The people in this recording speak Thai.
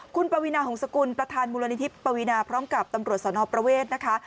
คุณปะวินาของสกุลประธานบริษัทปะวินาพร้อมกับตำรวจสนประเวทนะคะ